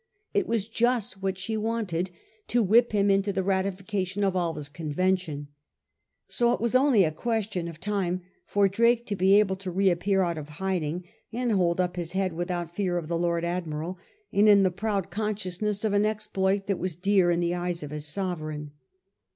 It was just what she wanted, to whip him into the ratification of Alva's convention. So it was only a question of time for Drake to be able to reappear out of hiding, and hold up his head without fear of the Lord Admiral, and in the proud consciousness of an exploit that was dear in the eyes of his sovereign.